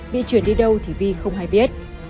bị chuyển đi đâu thì phi không hay biết